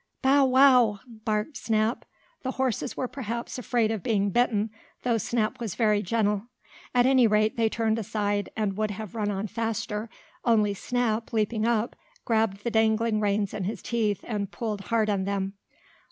"Bow wow!" barked Snap. The horses were perhaps afraid of being bitten, though Snap was very gentle. At any rate, they turned aside, and would have run on faster, only Snap, leaping up, grabbed the dangling reins in his teeth and pulled hard on them.